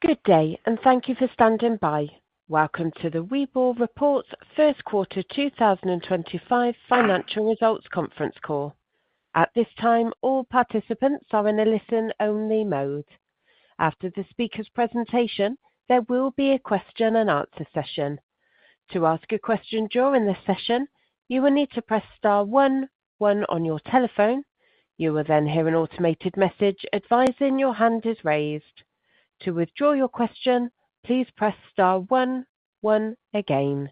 Good day, and thank you for standing by. Welcome to the Weibo Reports First Quarter 2025 Financial Results Conference Call. At this time, all participants are in a listen-only mode. After the speaker's presentation, there will be a question-and-answer session. To ask a question during this session, you will need to press star 1, 1 on your telephone. You will then hear an automated message advising your hand is raised. To withdraw your question, please press star 1, 1 again.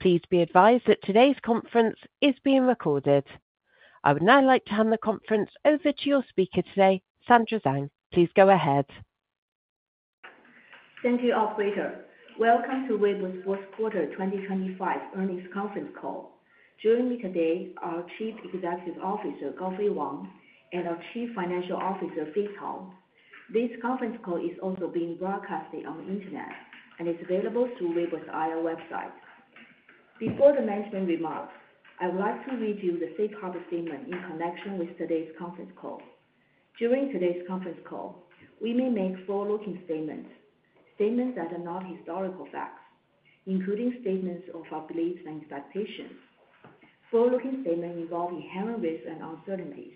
Please be advised that today's conference is being recorded. I would now like to hand the conference over to your speaker today, Sandra Zhang. Please go ahead. Thank you, operator. Welcome to Weibo's fourth quarter 2025 earnings conference call. Joining me today are Chief Executive Officer Gaofei Wang and our Chief Financial Officer Fei Cao. This conference call is also being broadcast on the Internet and is available through Weibo's IO website. Before the management remarks, I would like to read you the safe harbor statement in connection with today's conference call. During today's conference call, we may make forward-looking statements, statements that are not historical facts, including statements of our beliefs and expectations. Forward-looking statements involve inherent risks and uncertainties.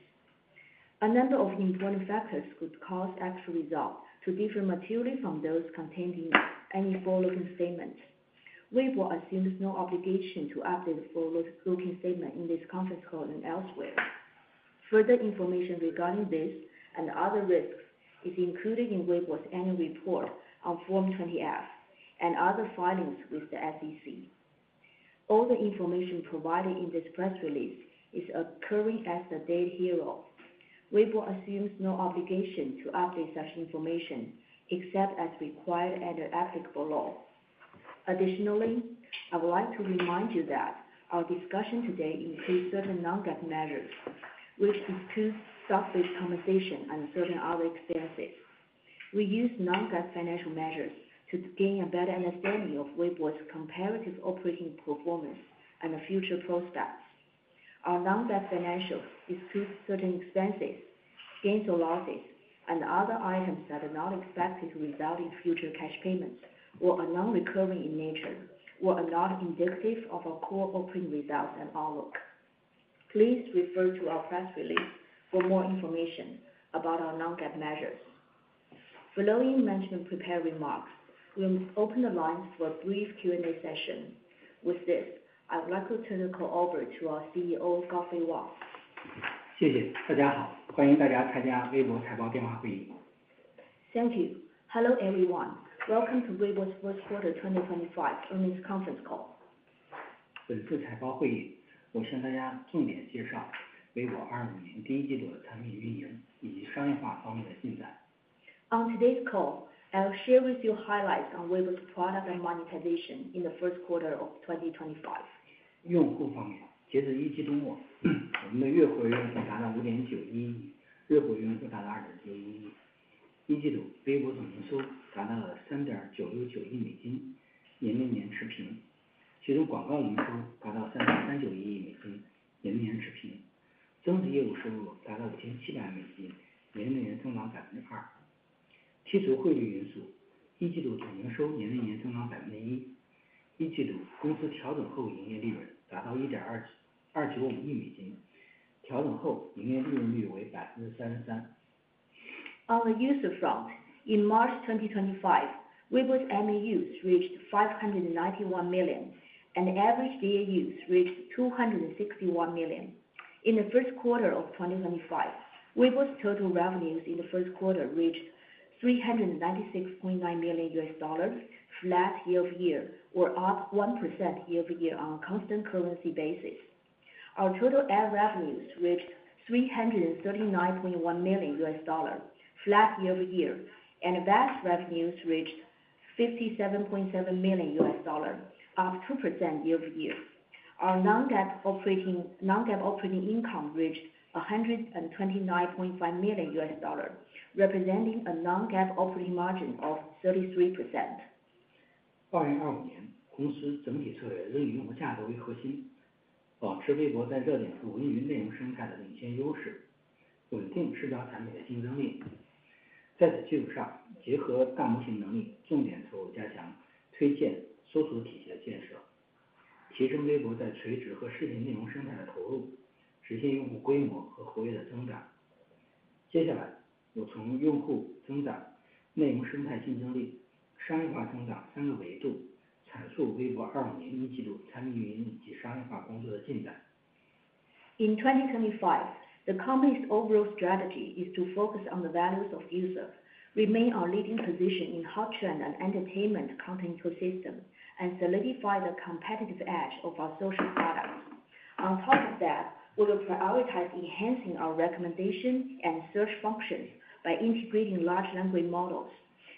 A number of important factors could cause actual results to differ materially from those contained in any forward-looking statements. Weibo assumes no obligation to update the forward-looking statement in this conference call and elsewhere. Further information regarding this and other risks is included in Weibo's annual report on Form 20F and other filings with the SEC. All the information provided in this press release is occurring as the date hereof. Weibo assumes no obligation to update such information except as required under applicable law. Additionally, I would like to remind you that our discussion today includes certain non-GAAP measures, which include stock-based compensation and certain other expenses. We use non-GAAP financial measures to gain a better understanding of Weibo's comparative operating performance and future prospects. Our non-GAAP financials include certain expenses, gains or losses, and other items that are not expected to result in future cash payments or are non-recurring in nature or are not indicative of our core operating results and outlook. Please refer to our press release for more information about our non-GAAP measures. Following management prepared remarks, we'll open the lines for a brief Q&A session. With this, I would like to turn the call over to our CEO, Gaofei Wang. 谢谢，大家好。欢迎大家参加微博财报电话会议。Thank you. Hello everyone. Welcome to Weibo's first quarter 2025 earnings conference call. 本次财报会议，我向大家重点介绍微博25年第一季度的产品运营以及商业化方面的进展。On today's call, I'll share with you highlights on Weibo's product and monetization in the first quarter of 2025. On the user front, in March 2025, Weibo's MAUs reached 591 million, and the average DAUs reached 261 million. In the first quarter of 2025, Weibo's total revenues in the first quarter reached $396.9 million, flat year-over-year, or up 1% year-over-year on a constant currency basis. Our total ad revenues reached $339.1 million, flat year-over-year, and advanced revenues reached $57.7 million, up 2% year-over-year. Our non-GAAP operating income reached $129.5 million, representing a non-GAAP operating margin of 33%. In 2025, the company's overall strategy is to focus on the values of users, remain our leading position in hot trend and entertainment content ecosystem, and solidify the competitive edge of our social products. On top of that, we will prioritize enhancing our recommendation and search functions by integrating large language models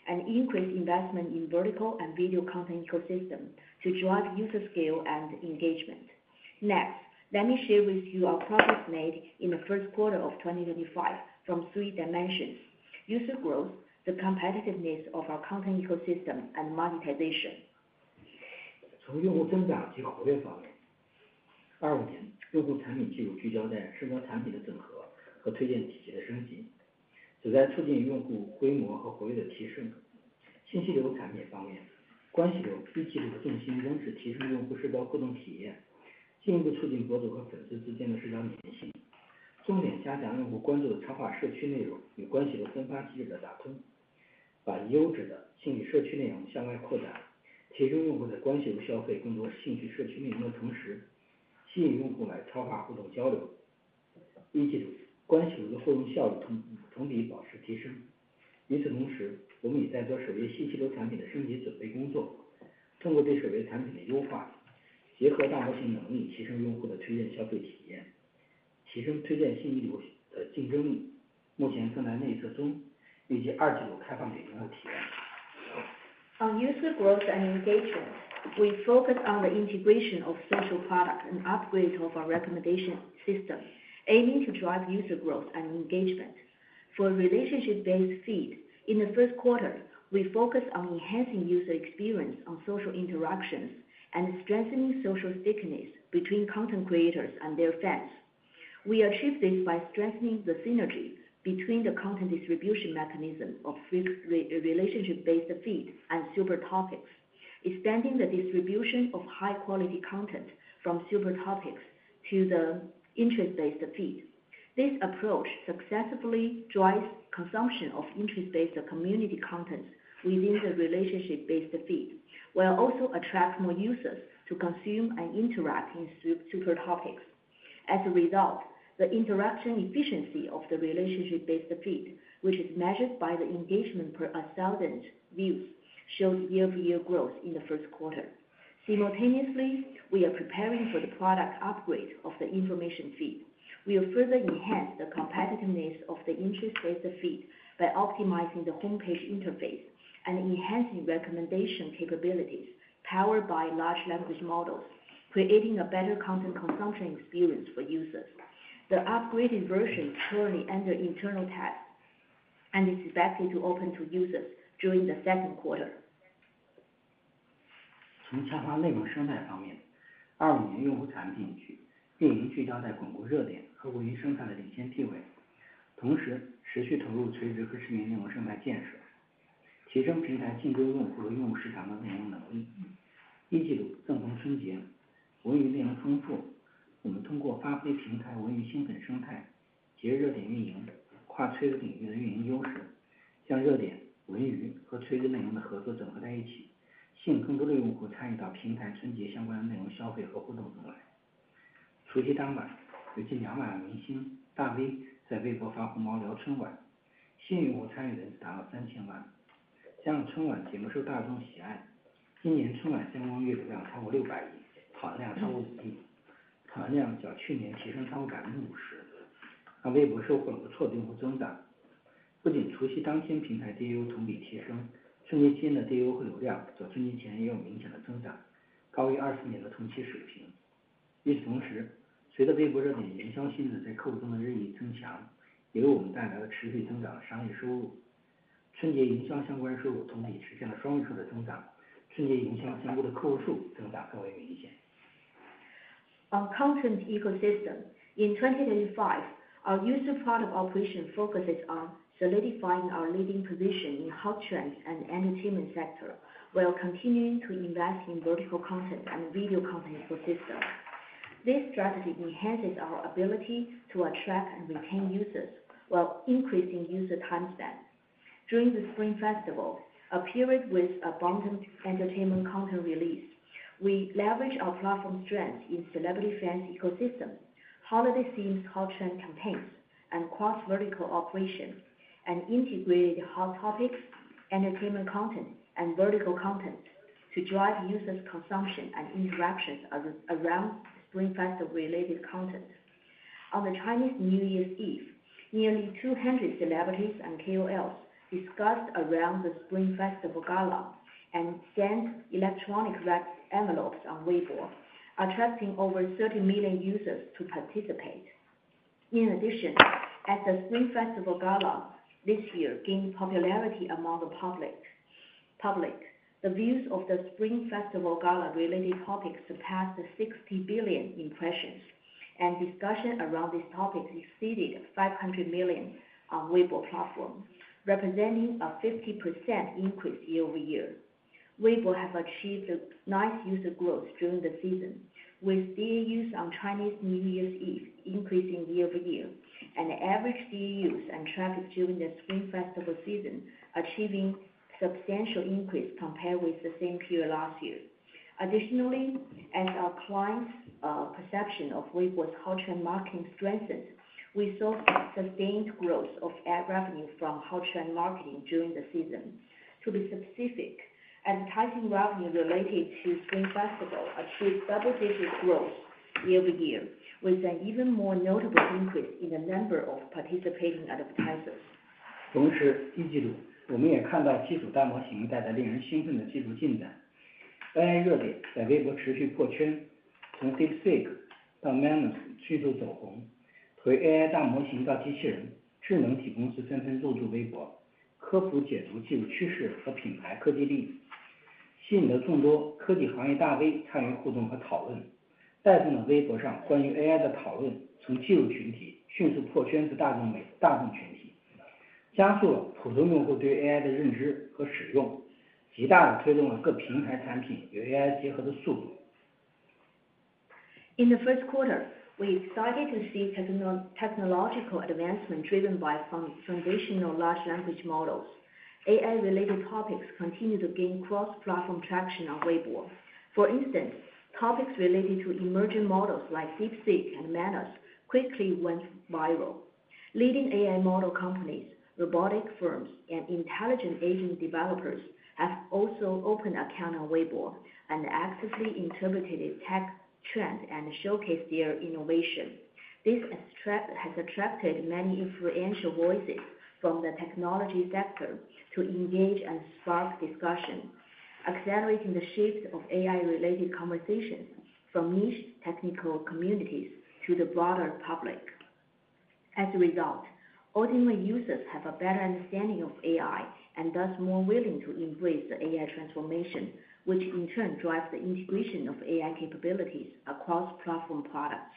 and increase investment in vertical and video content ecosystem to drive user scale and engagement. Next, let me share with you our progress made in the first quarter of 2025 from three dimensions: user growth, the competitiveness of our content ecosystem, and monetization. On user growth and engagement, we focus on the integration of social products and upgrade of our recommendation system, aiming to drive user growth and engagement. For relationship-based feed, in the first quarter, we focus on enhancing user experience on social interactions and strengthening social stickiness between content creators and their fans. We achieve this by strengthening the synergy between the content distribution mechanism of relationship-based feed and Super Topics, extending the distribution of high-quality content from Super Topics to the interest-based feed. This approach successfully drives consumption of interest-based community contents within the relationship-based feed, while also attracts more users to consume and interact in Super Topics. As a result, the interaction efficiency of the relationship-based feed, which is measured by the engagement per 1,000 views, shows year-over-year growth in the first quarter. Simultaneously, we are preparing for the product upgrade of the information feed. We will further enhance the competitiveness of the interest-based feed by optimizing the homepage interface and enhancing recommendation capabilities powered by large language models, creating a better content consumption experience for users. The upgraded version is currently under internal test and is expected to open to users during the second quarter. On content ecosystem, in 2025, our user product operation focuses on solidifying our leading position in hot trends and entertainment sector while continuing to invest in vertical content and video content ecosystem. This strategy enhances our ability to attract and retain users while increasing user time span. During the Spring Festival, a period with abundant entertainment content release, we leverage our platform strengths in celebrity fans ecosystem, holiday themes, hot trend campaigns, and cross-vertical operation, and integrated hot topics, entertainment content, and vertical content to drive users' consumption and interactions around Spring Festival-related content. On the Chinese New Year's Eve, nearly 200 celebrities and KOLs discussed around the Spring Festival Gala and sent electronic envelopes on Weibo, attracting over 30 million users to participate. In addition, as the Spring Festival Gala this year gained popularity among the public, the views of the Spring Festival Gala-related topics surpassed 60 billion impressions, and discussion around these topics exceeded 500 million on Weibo platform, representing a 50% increase year-over-year. Weibo has achieved nice user growth during the season, with DAUs on Chinese New Year's Eve increasing year-over-year, and average DAUs and traffic during the Spring Festival season achieving substantial increase compared with the same period last year. Additionally, as our clients' perception of Weibo's hot trend marketing strengthened, we saw sustained growth of ad revenue from hot trend marketing during the season. To be specific, advertising revenue related to Spring Festival achieved double-digit growth year-over-year, with an even more notable increase in the number of participating advertisers. 同时，一季度我们也看到基础大模型带来令人兴奋的技术进展。AI热点在微博持续破圈，从DeepSeek到Manus迅速走红，从AI大模型到机器人，智能体公司纷纷入驻微博，科普解读技术趋势和品牌科技例子，吸引了众多科技行业大V参与互动和讨论，带动了微博上关于AI的讨论从技术群体迅速破圈至大众群体，加速了普通用户对AI的认知和使用，极大地推动了各平台产品与AI结合的速度。In the first quarter, we're excited to see technological advancement driven by foundational large language models. AI-related topics continue to gain cross-platform traction on Weibo. For instance, topics related to emerging models like DeepSeek and Manus quickly went viral. Leading AI model companies, robotic firms, and intelligent agent developers have also opened accounts on Weibo and actively interpreted tech trends and showcased their innovation. This has attracted many influential voices from the technology sector to engage and spark discussion, accelerating the shift of AI-related conversations from niche technical communities to the broader public. As a result, ultimate users have a better understanding of AI and thus are more willing to embrace the AI transformation, which in turn drives the integration of AI capabilities across platform products.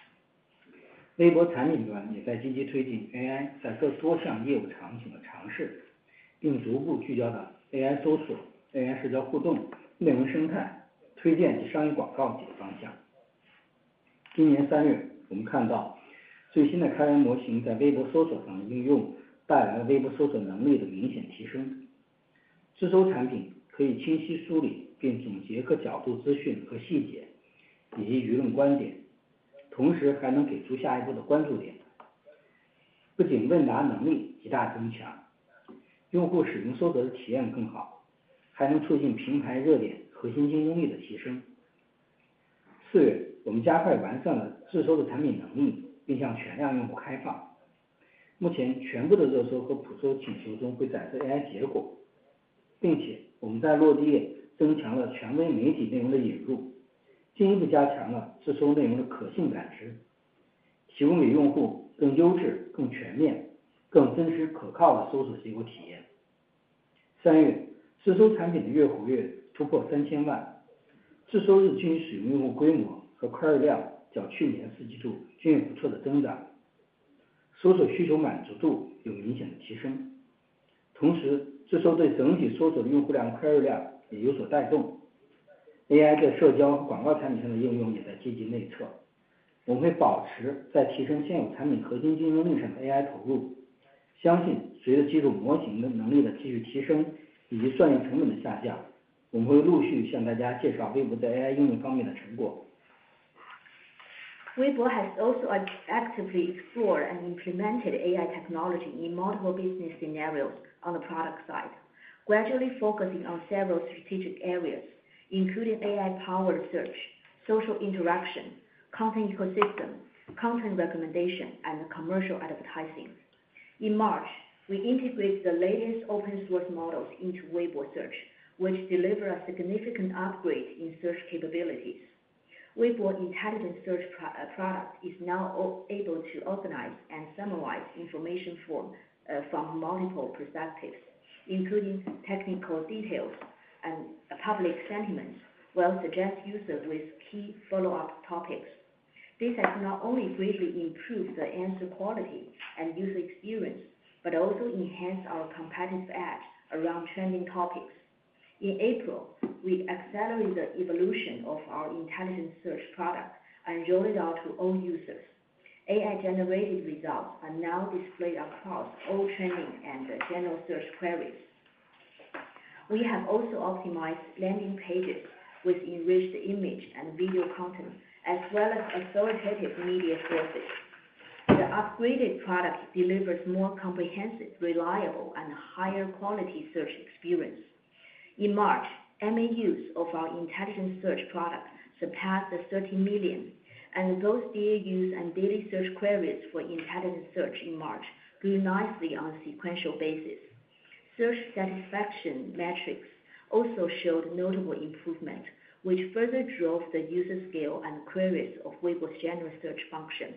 Weibo has also actively explored and implemented AI technology in multiple business scenarios on the product side, gradually focusing on several strategic areas, including AI-powered search, social interaction, content ecosystem, content recommendation, and commercial advertising. In March, we integrated the latest open-source models into Weibo Search, which delivered a significant upgrade in search capabilities. Weibo Intelligence Search product is now able to organize and summarize information from multiple perspectives, including technical details and public sentiments, while suggesting users with key follow-up topics. This has not only greatly improved the answer quality and user experience, but also enhanced our competitive edge around trending topics. In April, we accelerated the evolution of our Intelligence Search product and rolled it out to all users. AI-generated results are now displayed across all trending and general search queries. We have also optimized landing pages with enriched image and video content, as well as authoritative media sources. The upgraded product delivers a more comprehensive, reliable, and higher-quality search experience. In March, MAUs of our Intelligence Search product surpassed 30 million, and the DAUs and daily search queries for Intelligence Search in March grew nicely on a sequential basis. Search satisfaction metrics also showed notable improvement, which further drove the user scale and queries of Weibo's general search function.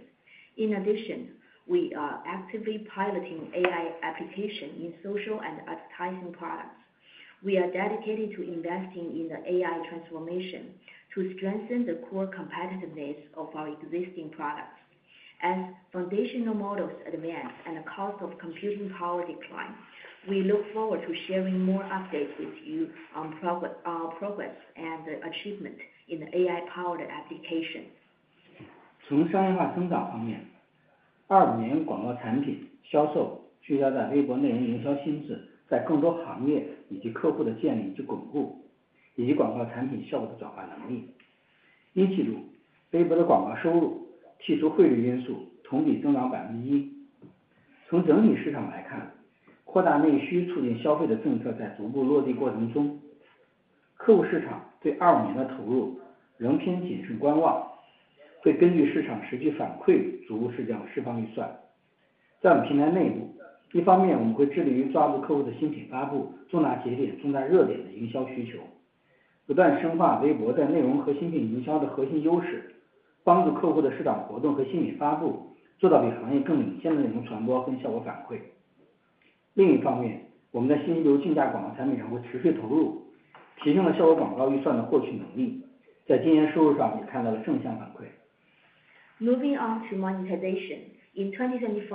In addition, we are actively piloting AI applications in social and advertising products. We are dedicated to investing in the AI transformation to strengthen the core competitiveness of our existing products. As foundational models advance and the cost of computing power declines, we look forward to sharing more updates with you on our progress and achievements in the AI-powered application. Moving on to monetization, in 2025,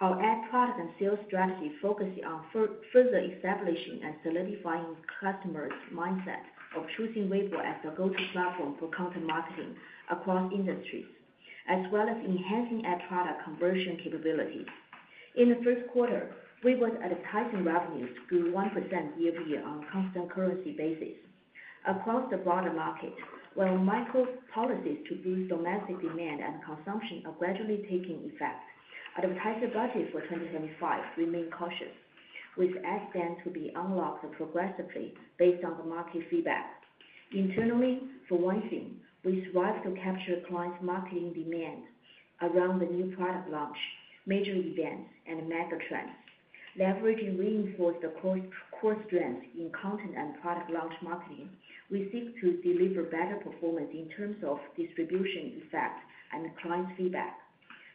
our ad product and sales strategy focuses on further establishing and solidifying customers' mindset of choosing Weibo as the go-to platform for content marketing across industries, as well as enhancing ad product conversion capabilities. In the first quarter, Weibo's advertising revenues grew 1% year-over-year on a constant currency basis. Across the broader market, while micro policies to boost domestic demand and consumption are gradually taking effect, advertiser budgets for 2025 remain cautious, with ad spend to be unlocked progressively based on the market feedback. Internally, for 1 thing, we strive to capture clients' marketing demand around the new product launch, major events, and mega trends. Leveraging reinforced core strengths in content and product launch marketing, we seek to deliver better performance in terms of distribution effect and clients' feedback.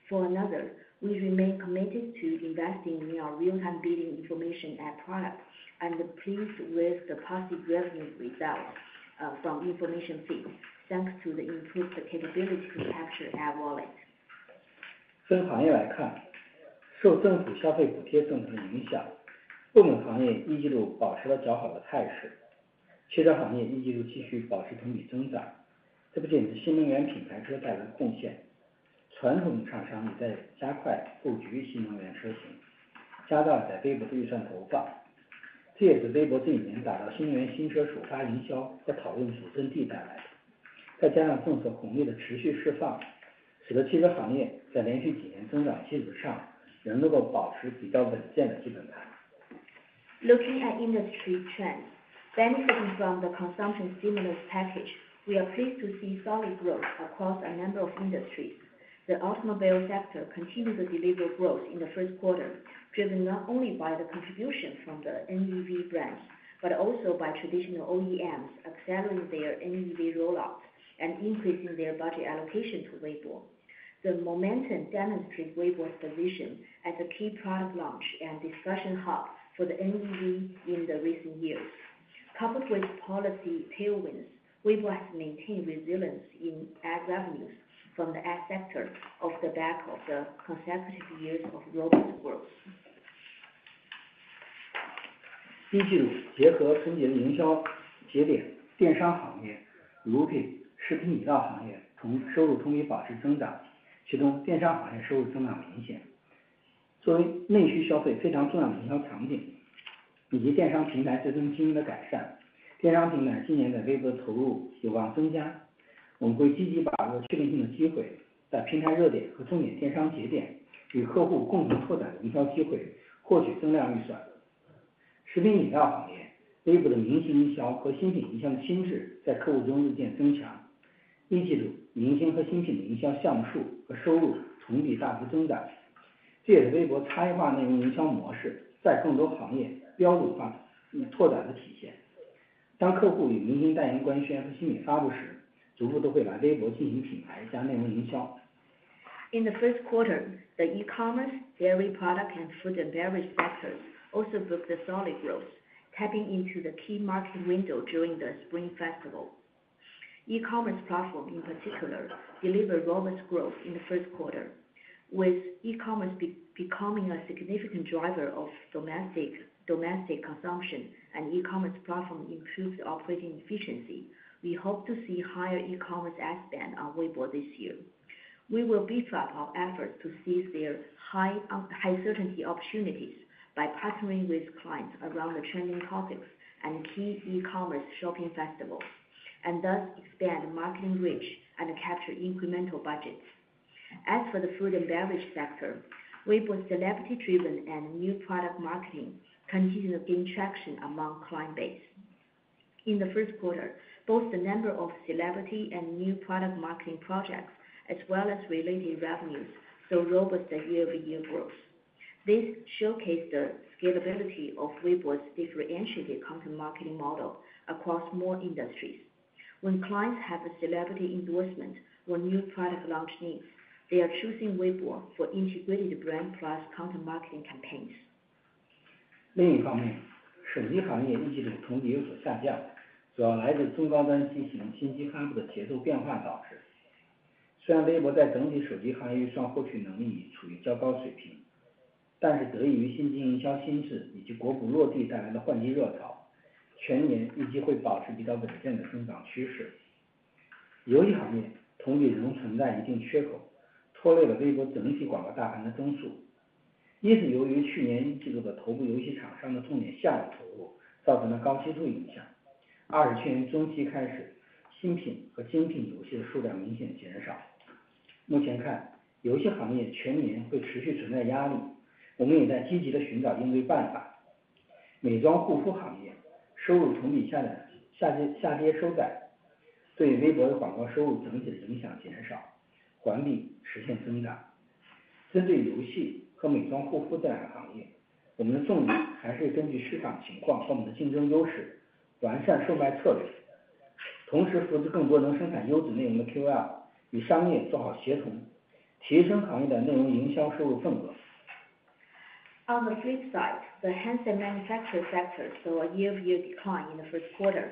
For another, we remain committed to investing in our real-time bidding information ad product and pleased with the positive revenue result from information feeds thanks to the improved capability to capture ad wallets. Looking at industry trends, benefiting from the consumption stimulus package, we are pleased to see solid growth across a number of industries. The automobile sector continued to deliver growth in the first quarter, driven not only by the contribution from the NEV brands but also by traditional OEMs accelerating their NEV rollout and increasing their budget allocation to Weibo. The momentum demonstrates Weibo's position as a key product launch and discussion hub for the NEV in the recent years. Coupled with policy tailwinds, Weibo has maintained resilience in ad revenues from the ad sector off the back of the consecutive years of robust growth. In the first quarter, the e-commerce, dairy product, and food and beverage sectors also booked a solid growth, tapping into the key market window during the Spring Festival. E-commerce platform, in particular, delivered robust growth in the first quarter. With e-commerce becoming a significant driver of domestic consumption and e-commerce platform improved operating efficiency, we hope to see higher e-commerce ad spend on Weibo this year. We will beef up our efforts to seize their high certainty opportunities by partnering with clients around the trending topics and key e-commerce shopping festivals, and thus expand marketing reach and capture incremental budgets. As for the food and beverage sector, Weibo's celebrity-driven and new product marketing continue to gain traction among client base. In the first quarter, both the number of celebrity and new product marketing projects as well as related revenues saw robust year-over-year growth. This showcased the scalability of Weibo's differentiated content marketing model across more industries. When clients have a celebrity endorsement or new product launch needs, they are choosing Weibo for integrated brand plus content marketing campaigns. On the flip side, the handset manufacturer sector saw a year-over-year decline in the first quarter,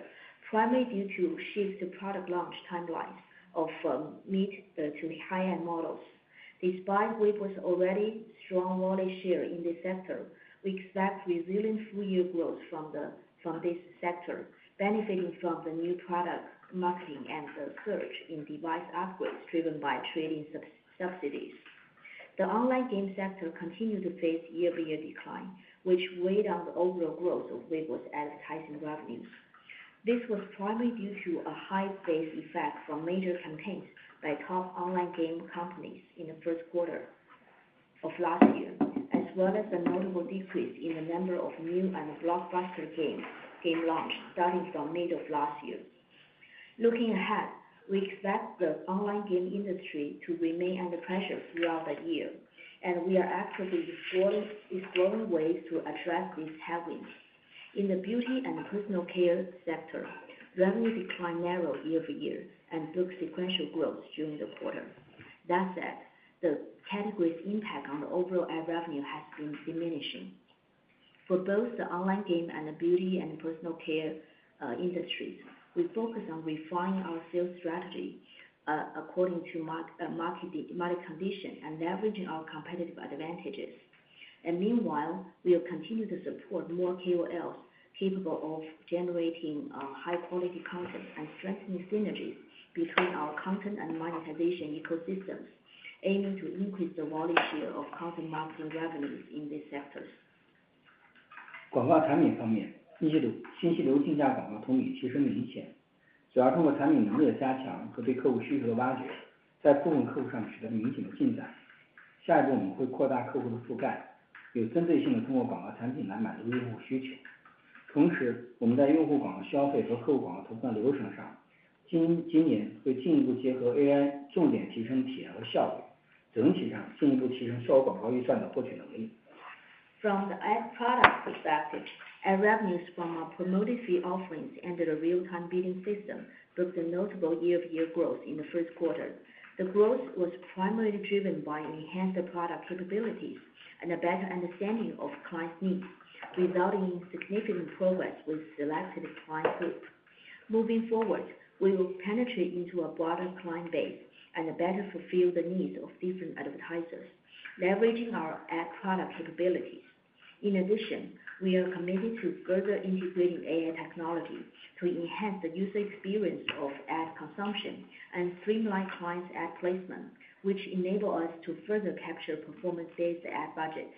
primarily due to shift to product launch timelines of mid to high-end models. Despite Weibo's already strong wallet share in this sector, we expect resilient full-year growth from this sector, benefiting from the new product marketing and the surge in device upgrades driven by trading subsidies. The online game sector continued to face year-over-year decline, which weighed on the overall growth of Weibo's advertising revenues. This was primarily due to a high base effect from major campaigns by top online game companies in the first quarter of last year, as well as a notable decrease in the number of new and blockbuster game launches starting from mid of last year. Looking ahead, we expect the online game industry to remain under pressure throughout the year, and we are actively exploring ways to address these headwinds. In the beauty and personal care sector, revenue declined narrow year-over-year and booked sequential growth during the quarter. That said, the category's impact on the overall ad revenue has been diminishing. For both the online game and the beauty and personal care industries, we focus on refining our sales strategy according to market condition and leveraging our competitive advantages. Meanwhile, we will continue to support more KOLs capable of generating high-quality content and strengthening synergies between our content and monetization ecosystems, aiming to increase the wallet share of content marketing revenues in these sectors. 广告产品方面，一季度新西流竞价广告同比提升明显，主要通过产品能力的加强和对客户需求的挖掘，在部分客户上取得明显的进展。下一步我们会扩大客户的覆盖，有针对性地通过广告产品来满足用户需求。同时，我们在用户广告消费和客户广告投放流程上，今年会进一步结合AI重点提升体验和效率，整体上进一步提升售后广告预算的获取能力。From the ad product perspective, ad revenues from our Promoted Feed offerings and the real-time bidding system booked a notable year-over-year growth in the first quarter. The growth was primarily driven by enhanced product capabilities and a better understanding of clients' needs, resulting in significant progress with selected client groups. Moving forward, we will penetrate into a broader client base and better fulfill the needs of different advertisers, leveraging our ad product capabilities. In addition, we are committed to further integrating AI technology to enhance the user experience of ad consumption and streamline clients' ad placement, which enables us to further capture performance-based ad budgets.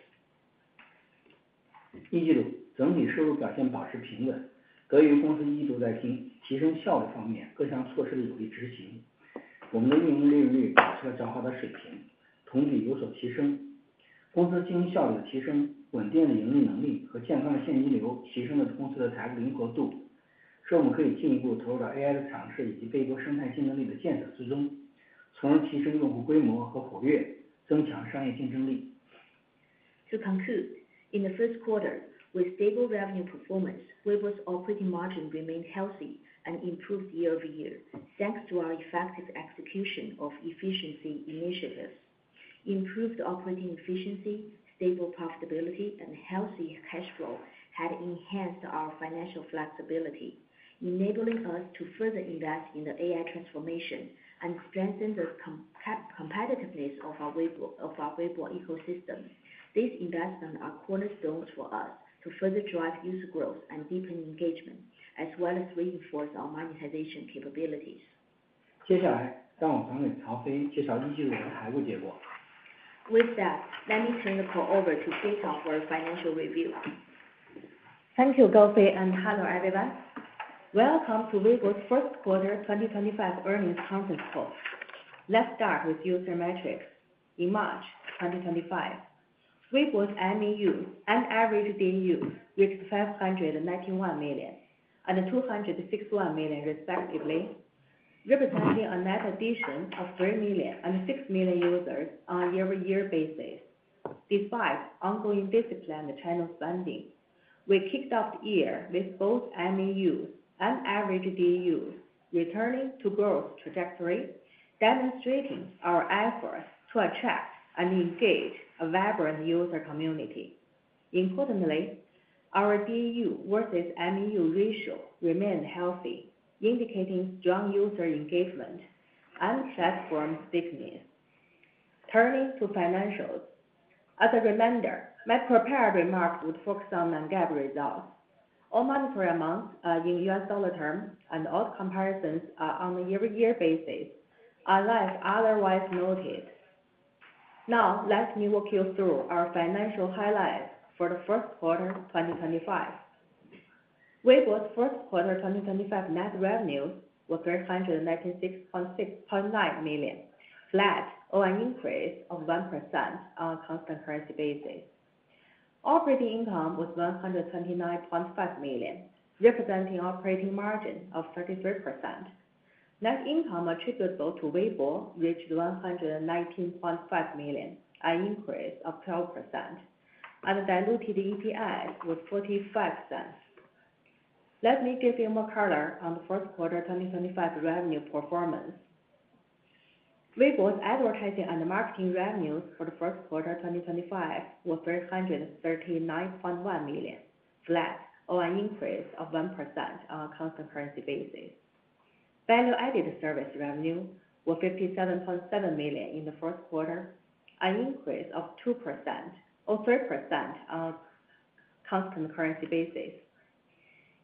一季度，整体收入表现保持平稳，得益于公司一季度在提升效率方面各项措施的有力执行。我们的运营利润率保持了较好的水平，同比有所提升。公司经营效率的提升、稳定的盈利能力和健康的现金流提升了公司的财务灵活度，使我们可以进一步投入到AI的尝试以及微博生态竞争力的建设之中，从而提升用户规模和活跃，增强商业竞争力。To conclude, in the first quarter, with stable revenue performance, Weibo's operating margin remained healthy and improved year-over-year thanks to our effective execution of efficiency initiatives. Improved operating efficiency, stable profitability, and healthy cash flow had enhanced our financial flexibility, enabling us to further invest in the AI transformation and strengthen the competitiveness of our Weibo ecosystem. These investments are cornerstones for us to further drive user growth and deepen engagement, as well as reinforce our monetization capabilities. 接下来，让我们长点，曹飞介绍一季度的财务结果。With that, let me turn the call over to Fei Cao for a financial review. Thank you, Gaofei and hello everyone. Welcome to Weibo's first quarter 2025 earnings conference call. Let's start with user metrics. In March 2025, Weibo's MAU and average DAU reached 591 million and 261 million respectively, representing a net addition of 3 million and 6 million users on a year-over-year basis. Despite ongoing discipline in channel spending, we kicked off the year with both MAU and average DAU returning to a growth trajectory, demonstrating our efforts to attract and engage a vibrant user community. Importantly, our DAU versus MAU ratio remained healthy, indicating strong user engagement and platform fitness. Turning to financials, as a reminder, my prepared remarks would focus on non-GAAP results. All monetary amounts are in US dollar terms, and all comparisons are on a year-over-year basis, unless otherwise noted. Now, let me walk you through our financial highlights for the first quarter 2025. Weibo's first quarter 2025 net revenues were $396.69 million, flat on an increase of 1% on a constant currency basis. Operating income was $129.5 million, representing an operating margin of 33%. Net income attributable to Weibo reached $119.5 million, an increase of 12%, and the diluted EPS was $0.45. Let me give you more color on the first quarter 2025 revenue performance. Weibo's advertising and marketing revenues for the first quarter 2025 were $339.1 million, flat on an increase of 1% on a constant currency basis. Value-added service revenue was $57.7 million in the first quarter, an increase of 2% or 3% on a constant currency basis.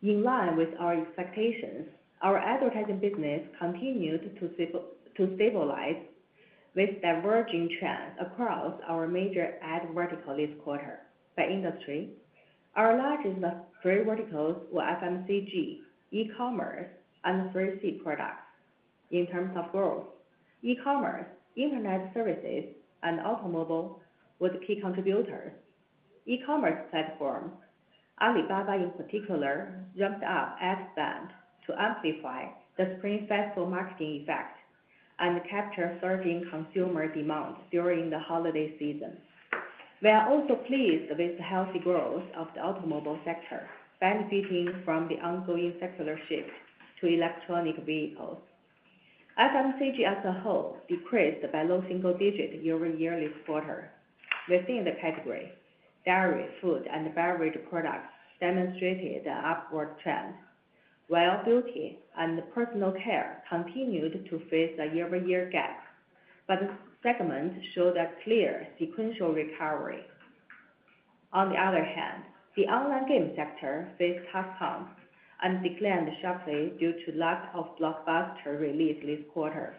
In line with our expectations, our advertising business continued to stabilize with diverging trends across our major ad verticals this quarter. By industry, our largest three verticals were FMCG, e-commerce, and the 3C products. In terms of growth, e-commerce, internet services, and automobile were the key contributors. E-commerce platforms, Alibaba in particular, jumped up ad spend to amplify the Spring Festival marketing effect and capture surging consumer demand during the holiday season. We are also pleased with the healthy growth of the automobile sector, benefiting from the ongoing secular shift to electronic vehicles. FMCG as a whole decreased by low single digits year-over-year this quarter. Within the category, dairy, food, and beverage products demonstrated an upward trend, while beauty and personal care continued to face a year-over-year gap, but the segments showed a clear sequential recovery. On the other hand, the online game sector faced tough times and declined sharply due to lack of blockbuster releases this quarter.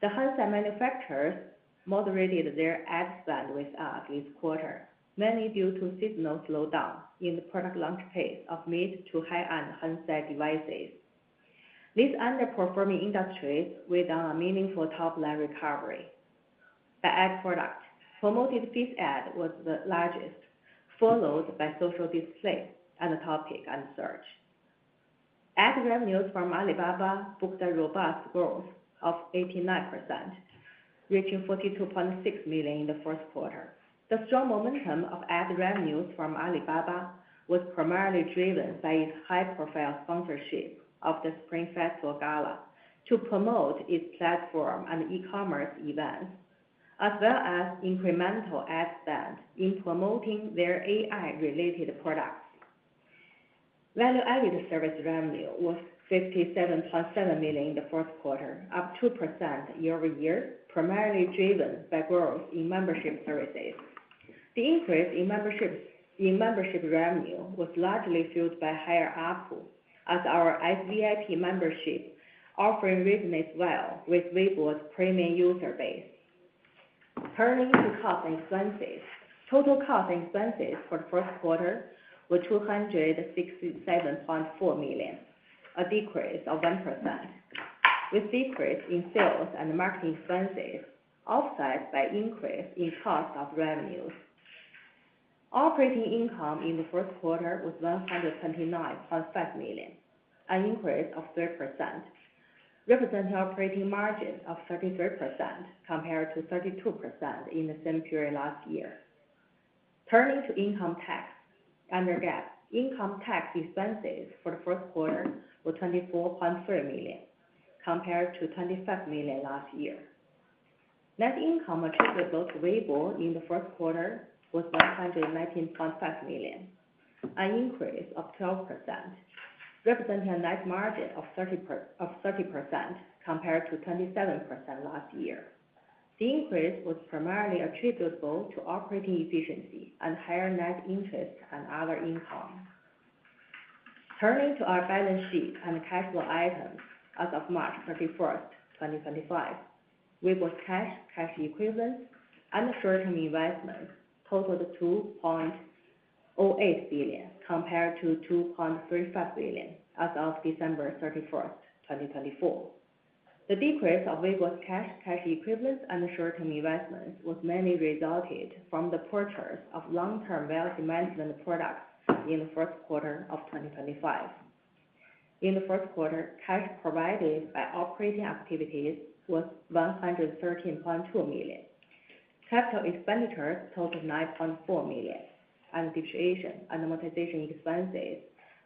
The handset manufacturers moderated their ad spend with us this quarter, mainly due to seasonal slowdown in the product launch phase of mid to high-end handset devices. These underperforming industries without a meaningful top-line recovery. By ad product, Promoted Feed Ad was the largest, followed by Social Display and the Topic and Search. Ad revenues from Alibaba booked a robust growth of 89%, reaching $42.6 million in the first quarter. The strong momentum of ad revenues from Alibaba was primarily driven by its high-profile sponsorship of the Spring Festival Gala to promote its platform and e-commerce events, as well as incremental ad spend in promoting their AI-related products. Value-added service revenue was $57.7 million in the first quarter, up 2% year-over-year, primarily driven by growth in membership services. The increase in membership revenue was largely fueled by higher up as our VIP membership offering reason as well with Weibo's premium user base. Turning to cost and expenses, total cost and expenses for the first quarter were $267.4 million, a decrease of 1%, with decrease in sales and marketing expenses offset by increase in cost of revenues. Operating income in the first quarter was $129.5 million, an increase of 3%, representing an operating margin of 33% compared to 32% in the same period last year. Turning to income tax and their gap, income tax expenses for the first quarter were $24.3 million, compared to $25 million last year. Net income attributable to Weibo in the first quarter was $119.5 million, an increase of 12%, representing a net margin of 30% compared to 27% last year. The increase was primarily attributable to operating efficiency and higher net interest and other income. Turning to our balance sheet and cash flow items, as of March 31, 2025, Weibo's cash, cash equivalents, and short-term investments totaled $2.08 billion compared to $2.35 billion as of December 31, 2024. The decrease of Weibo's cash, cash equivalents, and short-term investments was mainly resulted from the purchase of long-term well-demanded products in the first quarter of 2025. In the first quarter, cash provided by operating activities was $113.2 million. Capital expenditures totaled $9.4 million, and depreciation and amortization expenses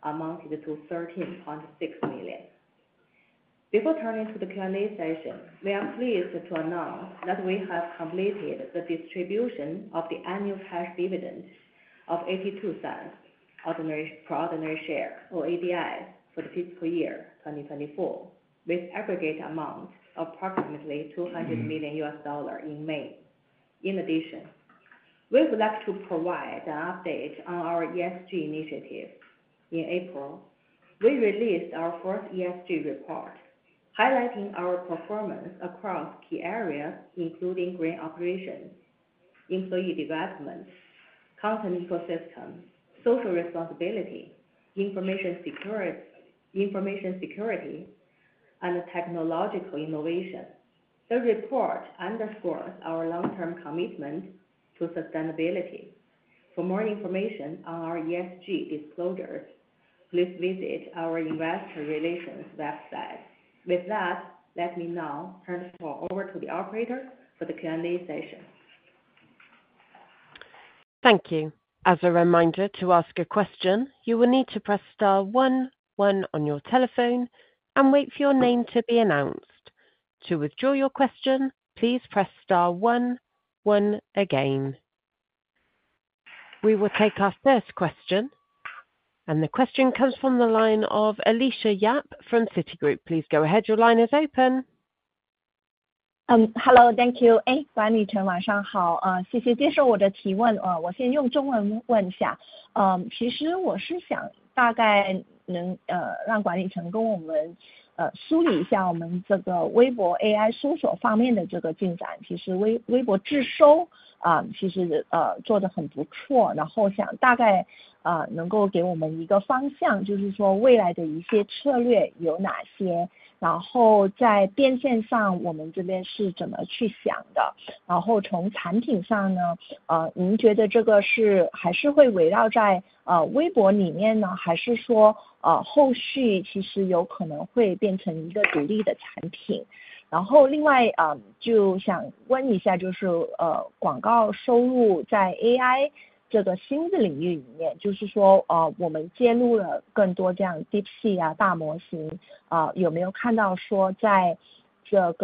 amounted to $13.6 million. Before turning to the Q&A session, we are pleased to announce that we have completed the distribution of the annual cash dividend of $0.82 per ordinary share or ADI for the fiscal year 2024, with aggregate amount of approximately $200 million in May. In addition, we would like to provide an update on our ESG initiative. In April, we released our first ESG report, highlighting our performance across key areas, including green operations, employee development, content ecosystem, social responsibility, information security, and technological innovation. The report underscores our long-term commitment to sustainability. For more information on our ESG disclosures, please visit our investor relations website. With that, let me now turn the call over to the operator for the Q&A session. Thank you. As a reminder to ask a question, you will need to press star 1, 1 on your telephone and wait for your name to be announced. To withdraw your question, please press star 1, 1 again. We will take our first question, and the question comes from the line of Alicia Yap from Citigroup. Please go ahead. Your line is open. Hello, thank you. Thanks,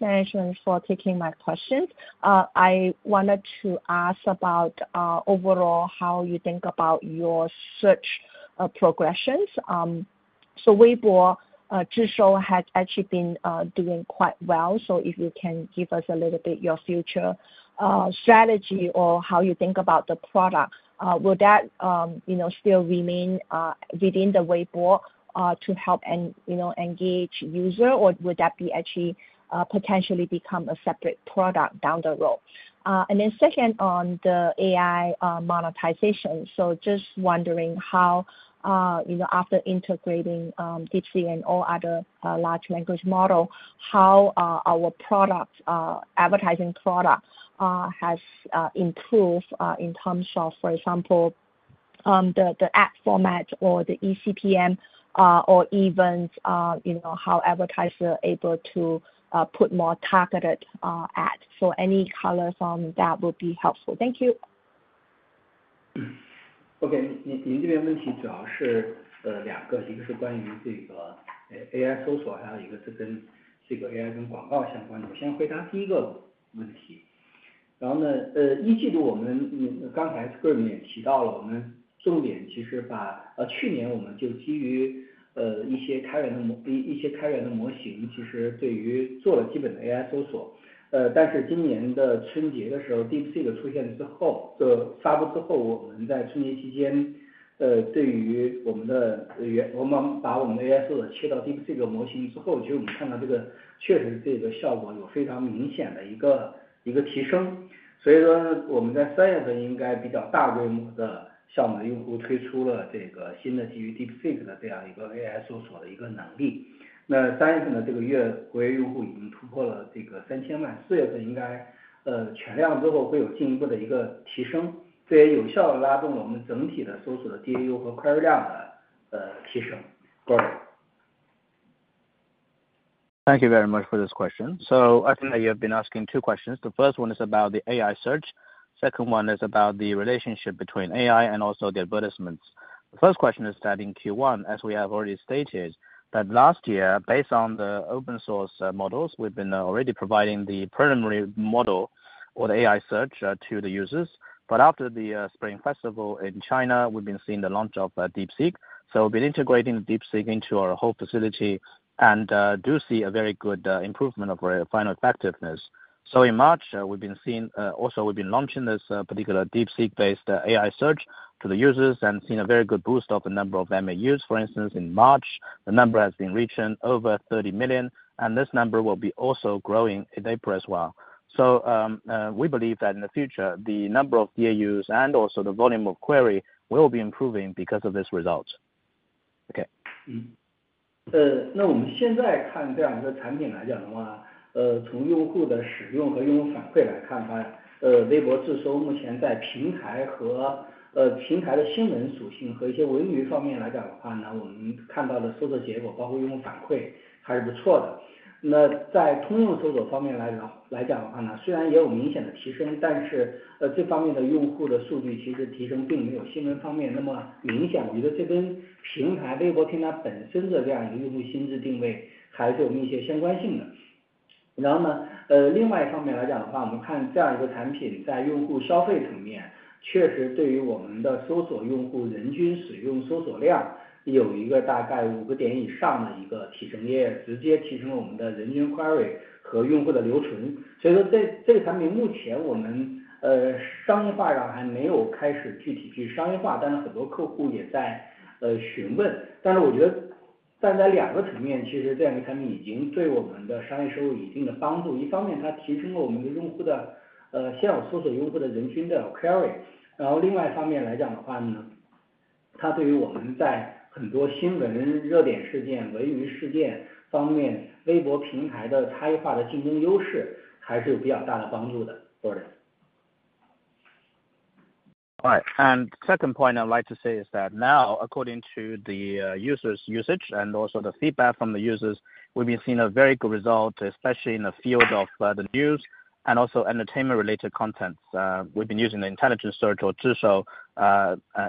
Management, for taking my questions. I wanted to ask about overall how you think about your search progressions. So Weibo just show has actually been doing quite well. If you can give us a little bit your future strategy or how you think about the product, will that still remain within the Weibo to help and engage user, or would that be actually potentially become a separate product down the road? Then second on the AI monetization. Just wondering how, after integrating DeepSeek and all other large language models, how our advertising product has improved in terms of, for example, the ad format or the ECPM, or even how advertisers are able to put more targeted ads. Any color from that would be helpful. Thank you. Go ahead. Thank you very much for this question. I think that you have been asking two questions. The first one is about the AI search. The second one is about the relationship between AI and also the advertisements. The first question is that in Q1, as we have already stated, last year, based on the open-source models, we've been already providing the preliminary model or the AI search to the users. After the Spring Festival in China, we've been seeing the launch of DeepSeek. We've been integrating DeepSeek into our whole facility and do see a very good improvement of our final effectiveness. In March, we've been seeing also, we've been launching this particular DeepSeek-based AI search to the users and seen a very good boost of the number of MAUs. For instance, in March, the number has been reaching over 30 million, and this number will be also growing in April as well. We believe that in the future, the number of DAUs and also the volume of query will be improving because of this result. Okay. All right. Second point I'd like to say is that now, according to the users' usage and also the feedback from the users, we've been seeing a very good result, especially in the field of the news and also entertainment-related contents. We've been using the Intelligence Search or Zhisou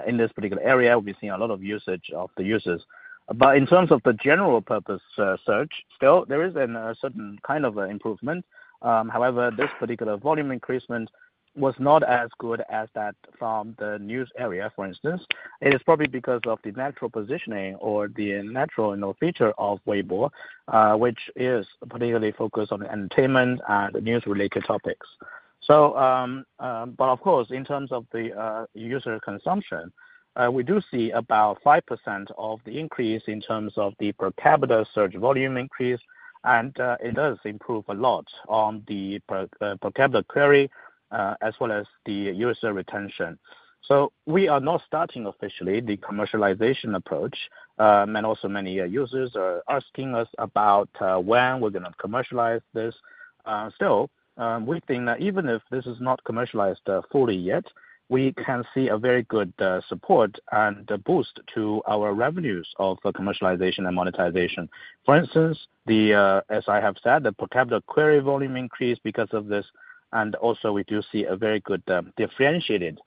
in this particular area, we've seen a lot of usage of the users. In terms of the general purpose search, still there is a certain kind of improvement. However, this particular volume increase was not as good as that from the news area, for instance. It is probably because of the natural positioning or the natural feature of Weibo, which is particularly focused on entertainment and news-related topics. Of course, in terms of the user consumption, we do see about 5% of the increase in terms of the per capita search volume increase, and it does improve a lot on the per capita query as well as the user retention. We are not starting officially the commercialization approach, and also many users are asking us about when we're going to commercialize this. Still, we think that even if this is not commercialized fully yet, we can see a very good support and boost to our revenues of commercialization and monetization. For instance, as I have said, the per capita query volume increased because of this, and also we do see a very good differentiated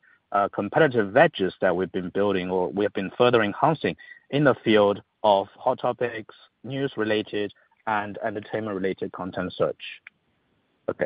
competitive wedges that we've been building or we have been further enhancing in the field of hot topics, news-related, and entertainment-related content search. Okay.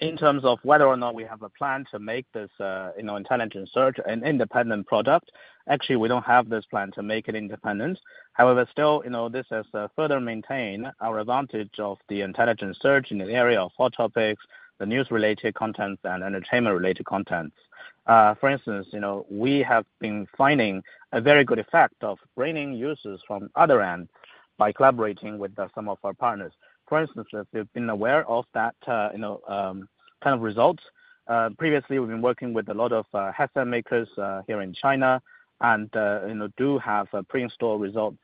In terms of whether or not we have a plan to make this Intelligence Search an independent product, actually we do not have this plan to make it independent. However, still this has further maintained our advantage of the Intelligence Search in the area of hot topics, the news-related contents, and entertainment-related contents. For instance, we have been finding a very good effect of bringing users from other ends by collaborating with some of our partners. For instance, if you have been aware of that kind of results, previously we have been working with a lot of headset makers here in China and do have pre-installed results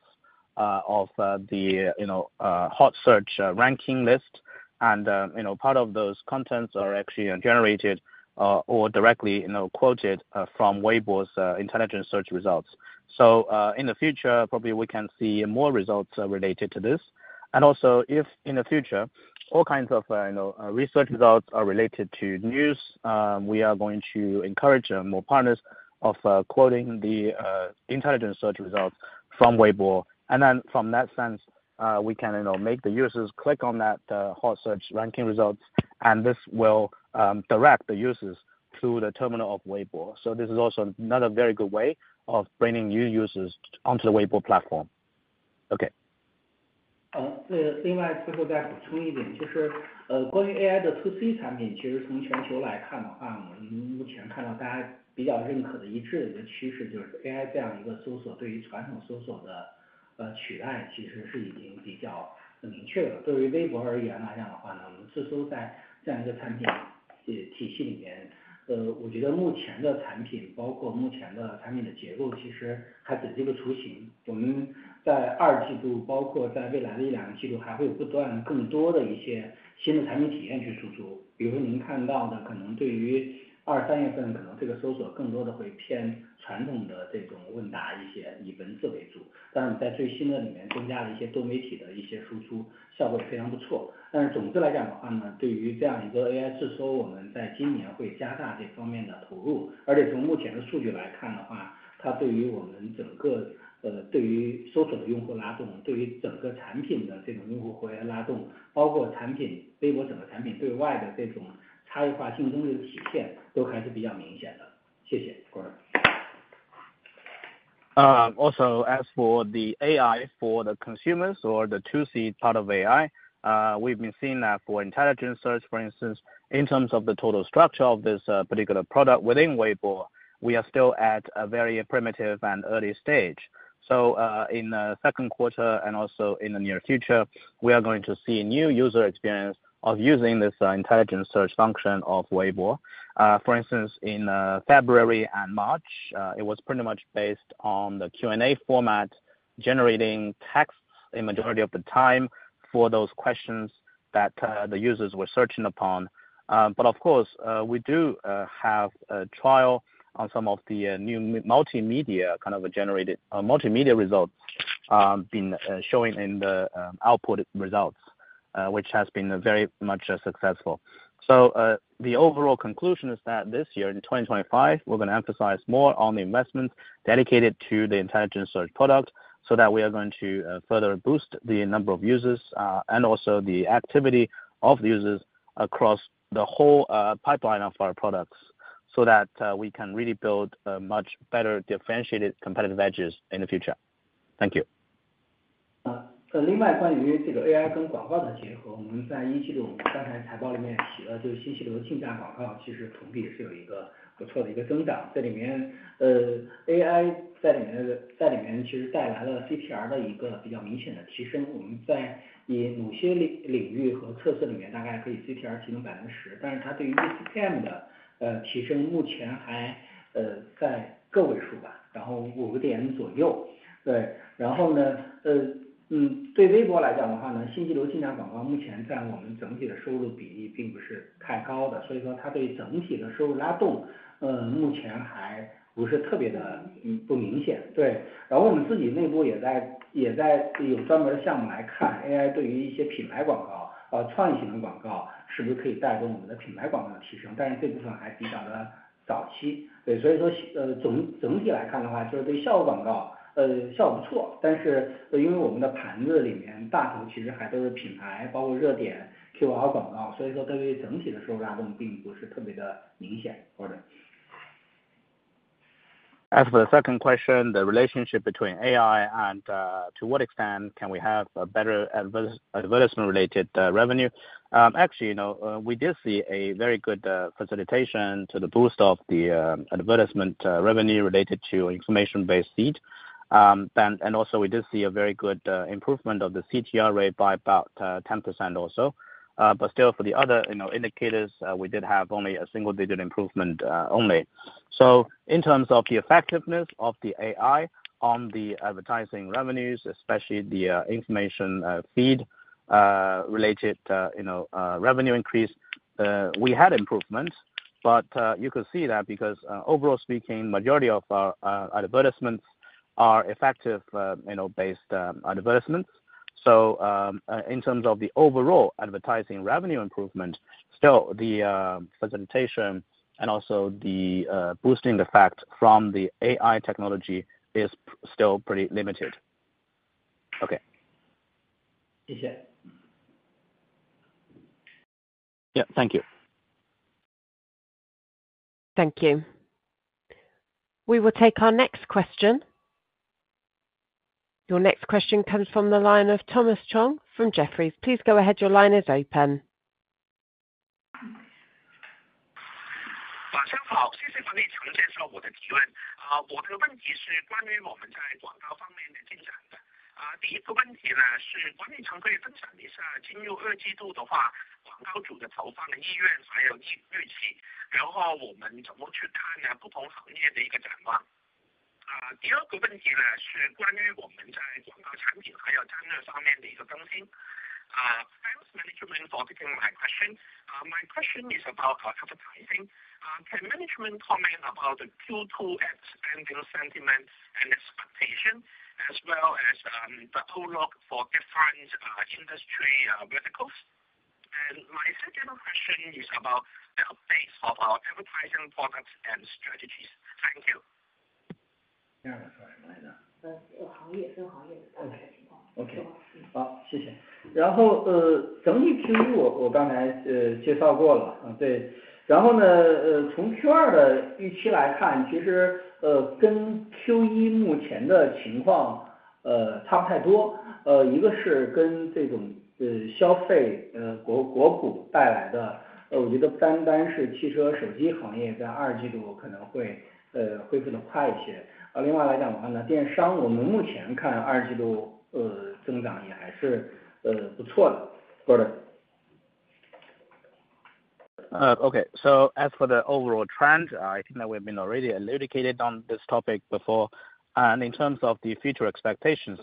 of the hot search ranking list, and part of those contents are actually generated or directly quoted from Weibo's Intelligence Search results. In the future, probably we can see more results related to this. If in the future all kinds of research results are related to news, we are going to encourage more partners of quoting the Intelligence Search results from Weibo. From that sense, we can make the users click on that hot search ranking results, and this will direct the users to the terminal of Weibo. This is also another very good way of bringing new users onto the Weibo platform. Okay. 另外最后再补充一点，就是关于AI的To Also, as for the AI for the consumers or the To C part of AI, we've been seeing that for Intelligence Search, for instance, in terms of the total structure of this particular product within Weibo, we are still at a very primitive and early stage. In the second quarter and also in the near future, we are going to see new user experience of using this Intelligence Search function of Weibo. For instance, in February and March, it was pretty much based on the Q&A format, generating texts a majority of the time for those questions that the users were searching upon. Of course, we do have a trial on some of the new multimedia kind of generated multimedia results being shown in the output results, which has been very much successful. The overall conclusion is that this year in 2025, we're going to emphasize more on the investment dedicated to the Intelligence Search product so that we are going to further boost the number of users and also the activity of the users across the whole pipeline of our products so that we can really build much better differentiated competitive edges in the future. Thank you. As for the second question, the relationship between AI and to what extent can we have a better advertisement-related revenue? Actually, we did see a very good facilitation to the boost of the advertisement revenue related to information-based feed, and also we did see a very good improvement of the CTR by about 10% also. For the other indicators, we did have only a single-digit improvement only. In terms of the effectiveness of the AI on the advertising revenues, especially the information feed related revenue increase, we had improvements, but you could see that because overall speaking, majority of our advertisements are effective based advertisements. In terms of the overall advertising revenue improvement, still the facilitation and also the boosting effect from the AI technology is still pretty limited. Okay. Yeah. Yeah, thank you. Thank you. We will take our next question. Your next question comes from the line of Thomas Chong from Jefferies. Please go ahead, your line is open. Thank you Management for taking my question. My question is about advertising. Can Management comment about the Q2 expanding sentiment and expectation, as well as the outlook for different industry verticals? My second question is about the updates of our advertising products and strategies. Thank you. 没有了，好，谢谢。然后整体Q1我刚才介绍过了。对，然后从Q2的预期来看，其实跟Q1目前的情况差不太多，一个是跟这种消费国股带来的，我觉得不单单是汽车手机行业在二季度可能会恢复得快一些。另外来讲的话，电商我们目前看二季度增长也还是不错的。Okay, as for the overall trend, I think that we've been already educated on this topic before, and in terms of the future expectations,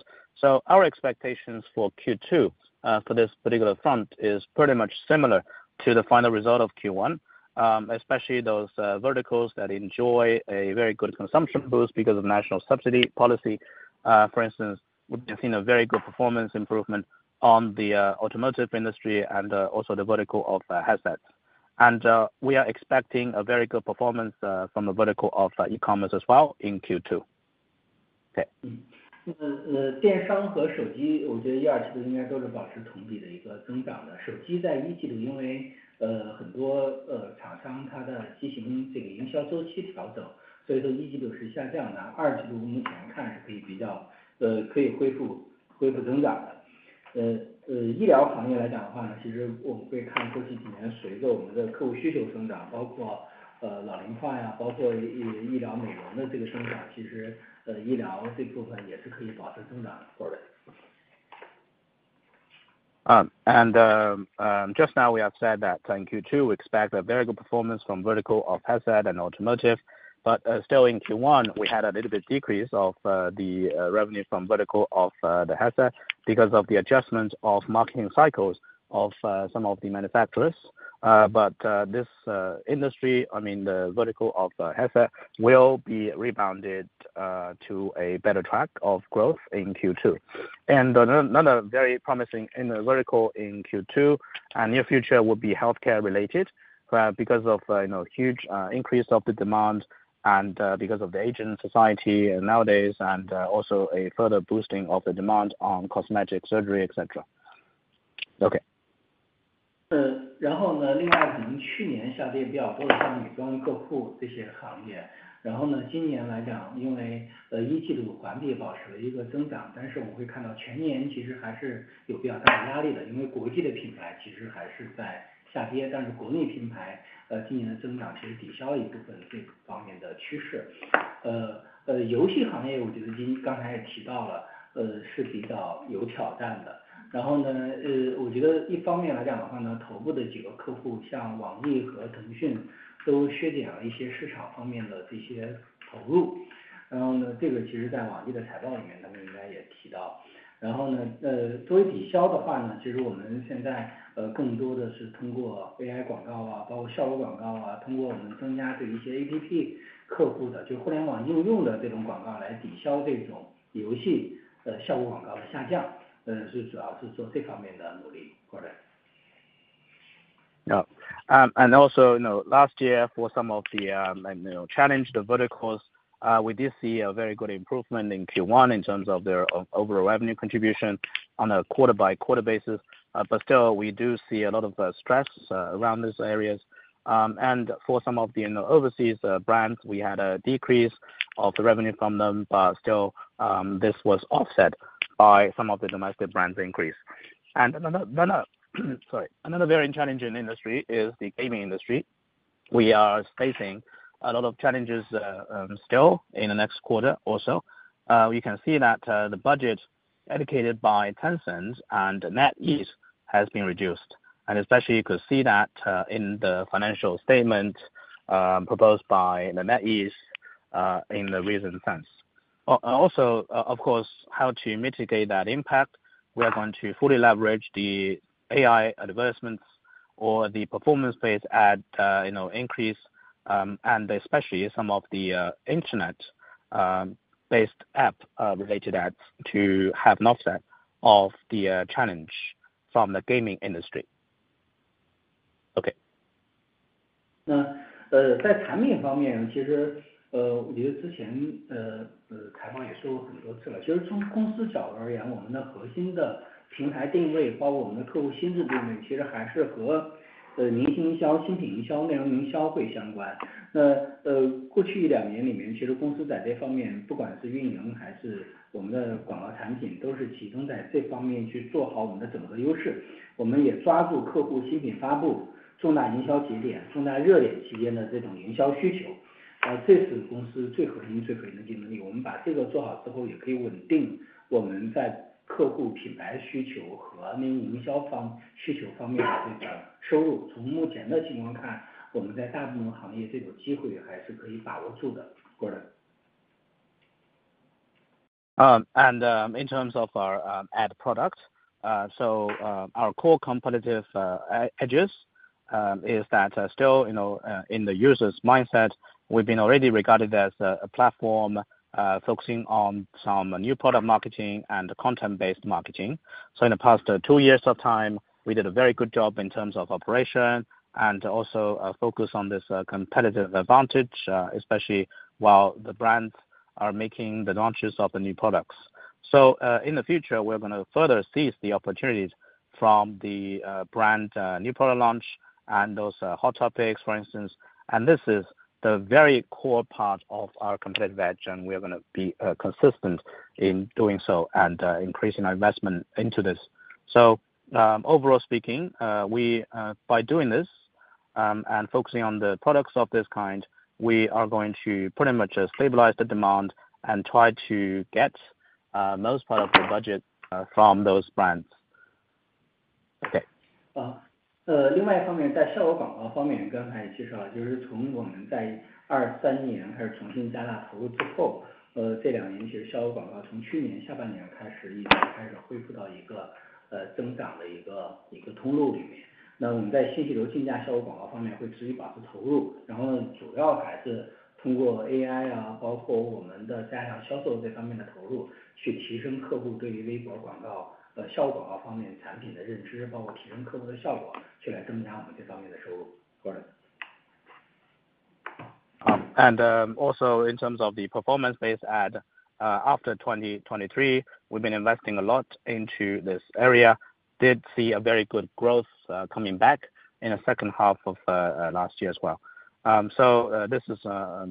our expectations for Q2 for this particular front is pretty much similar to the final result of Q1, especially those verticals that enjoy a very good consumption boost because of national subsidy policy. For instance, we've seen a very good performance improvement on the automotive industry and also the vertical of headsets. We are expecting a very good performance from the vertical of e-commerce as well in Q2. Okay. Just now we have said that in Q2 we expect a very good performance from the vertical of headset and automotive. Still, in Q1 we had a little bit of a decrease of the revenue from the vertical of the headset because of the adjustment of marketing cycles of some of the manufacturers. This industry, I mean the vertical of headset, will be rebounded to a better track of growth in Q2. Another very promising vertical in Q2 and near future would be healthcare related because of a huge increase of the demand and because of the aging society nowadays and also a further boosting of the demand on cosmetic surgery, etc. Okay. Last year for some of the challenged verticals, we did see a very good improvement in Q1 in terms of their overall revenue contribution on a quarter-by-quarter basis, but still we do see a lot of stress around these areas. For some of the overseas brands, we had a decrease of the revenue from them, but still this was offset by some of the domestic brands' increase. Another very challenging industry is the gaming industry. We are facing a lot of challenges still in the next quarter also. You can see that the budget allocated by Tencent and NetEase has been reduced, and especially you could see that in the financial statement proposed by NetEase in the recent sense. Also, of course, how to mitigate that impact, we are going to fully leverage the AI advertisements or the performance-based ad increase, and especially some of the internet-based app-related ads to have an offset of the challenge from the gaming industry. Okay. In terms of our ad product, our core competitive edges is that still in the user's mindset, we've been already regarded as a platform focusing on some new product marketing and content-based marketing. In the past 2 years of time, we did a very good job in terms of operation and also focus on this competitive advantage, especially while the brands are making the launches of the new products. In the future, we're going to further seize the opportunities from the brand new product launch and those hot topics, for instance, and this is the very core part of our competitive edge, and we are going to be consistent in doing so and increasing our investment into this. Overall speaking, by doing this and focusing on the products of this kind, we are going to pretty much stabilize the demand and try to get most part of the budget from those brands. Okay. 另外一方面在效果广告方面刚才也介绍了，就是从我们在二三年开始重新加大投入之后，这两年其实效果广告从去年下半年开始已经开始恢复到一个增长的一个通路里面。那我们在新西流竞价效果广告方面会持续保持投入，然后主要还是通过AI，包括我们的加强销售这方面的投入去提升客户对于微博广告效果广告方面产品的认知，包括提升客户的效果去来增加我们这方面的收入。In terms of the performance-based ad, after 2023, we've been investing a lot into this area, did see a very good growth coming back in the 2nd half of last year as well. This is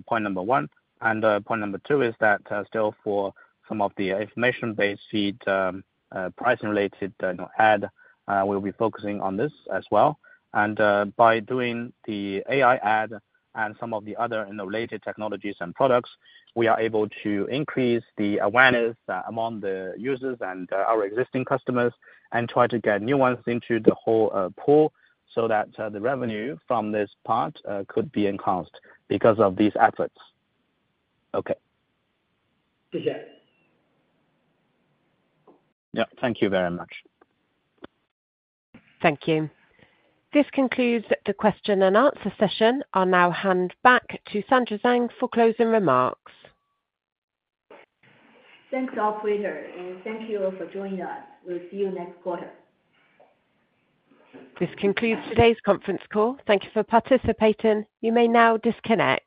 point number 1. Point number 2 is that still for some of the information-based feed pricing-related ad, we'll be focusing on this as well. By doing the AI ad and some of the other related technologies and products, we are able to increase the awareness among the users and our existing customers and try to get new ones into the whole pool so that the revenue from this part could be enhanced because of these efforts. Okay. Yeah, thank you very much. Thank you. This concludes the question and answer session. I'll now hand back to Sandra Zhang for closing remarks. Thanks, all presenters. Thank you all for joining us. We'll see you next quarter. This concludes today's conference call. Thank you for participating. You may now disconnect.